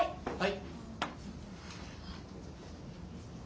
はい！